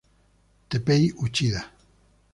Teppei Uchida